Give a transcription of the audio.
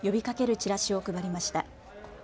チラシを配りました。